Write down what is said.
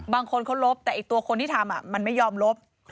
บางคนเขาลบแต่ตัวคนที่ทำมันไม่ยอมลบ